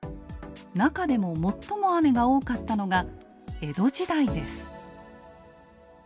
中でも最も雨が多かったのが江戸時代です。